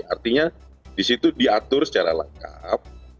artinya di situ diatur secara lengkap